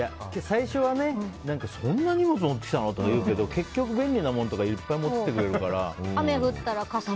最初はね、そんなに荷物持ってきたの？とかいうけど結局、便利なものとかいっぱい持ってきてくれるからね。